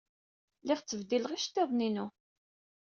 Lliɣ ttbeddileɣ iceḍḍiḍen-inu.